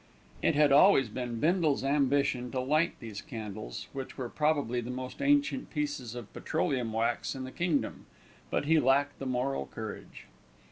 It had always been Bindle's ambition to light these candles, which were probably the most ancient pieces of petroleum wax in the kingdom; but he lacked the moral courage.